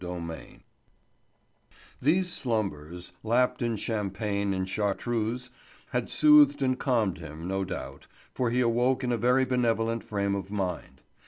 CHAPTER IV These slumbers, lapped in Champagne and Chartreuse, had soothed and calmed him, no doubt, for he awoke in a very benevolent frame of mind.